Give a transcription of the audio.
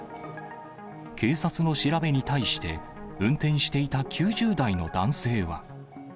警察の調べに対して、運転していた９０代の男性は。